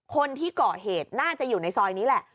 คนที่เกาะเหตุน่าจะอยู่ในซอยนี้แหละ